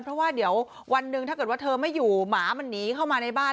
เพราะว่าเดี๋ยววันหนึ่งถ้าเกิดว่าเธอไม่อยู่หมามันหนีเข้ามาในบ้าน